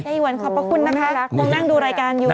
หยวนขอบพระคุณนะคะคงนั่งดูรายการอยู่